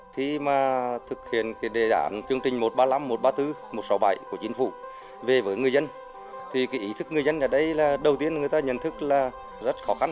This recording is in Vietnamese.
khi mà thực hiện cái đề đản chương trình một trăm ba mươi năm một trăm ba mươi bốn một trăm sáu mươi bảy của chính phủ về với người dân thì cái ý thức người dân ở đây là đầu tiên người ta nhận thức là rất khó khăn